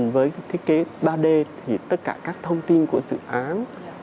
với thiết kế ba d thì tất cả các thông tin của dự án